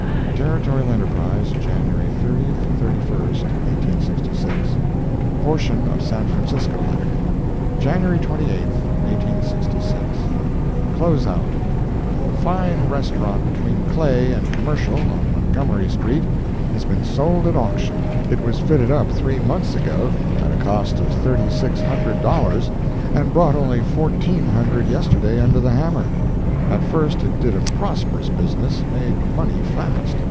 Territorial Enterprise, January 30 31, 1866 [portion of San Francisco Letter] January 28, 1866 CLOSED OUT The fine restaurant between Clay and Commercial, on Montgomery street, has been sold at auction. It was fitted up three months ago at a cost of thirty six hundred dollars, and brought only fourteen hundred yesterday under the hammer. At first it did a prosperous business—made money fast.